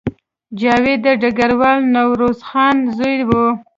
جاوید د ډګروال نوروز خان زوی و